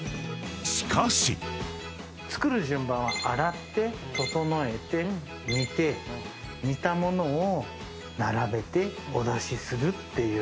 ［しかし］作る順番は洗って調えて煮て煮た物を並べてお出しするっていう。